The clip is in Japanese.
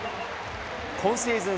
今シーズン